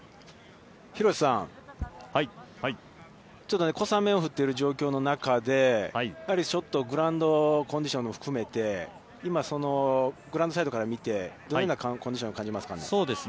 廣瀬さん、ちょっと小雨が降っている状況の中でやっぱりショット、グラウンドコンディションも含めて、今、グラウンドサイドから見て、どのようなコンディションに感じますかね。